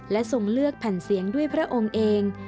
และทรงเลือกแผ่นเสียงด้วยพระองค์เอง